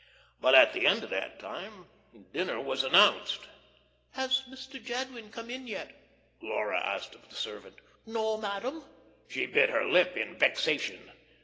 But at the end of that time dinner was announced. "Has Mr. Jadwin come in yet?" Laura asked of the servant. "No, madam." She bit her lip in vexation.